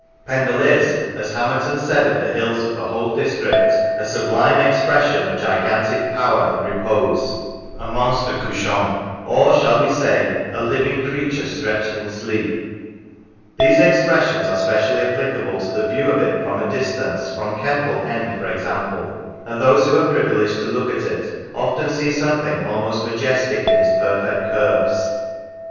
Pendle is, as Hamerton said of the hills of the whole district, a sublime expression of gigantic power in repose, or shall we say a " monster couch ant," a "living creature stretched in sleep"; these expressions are specially applicable to the view of it from a distance, from Kemple end for example; and those who are privileged to look at it often see some thing almost majestic in its perfect curves.